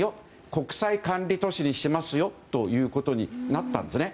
国際管理都市にしますよということになったんですね。